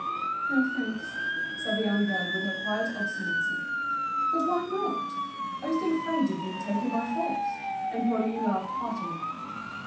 "No, thanks," said the young girl with her quiet obstinacy. "But why not? Are you still afraid of being taken by force?" And Pauline laughed heartily.